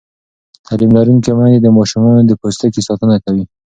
تعلیم لرونکې میندې د ماشومانو د پوستکي ساتنه کوي.